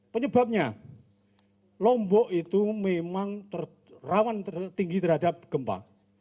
penyebabnya lombok itu memang rawan tertinggi terhadap gempa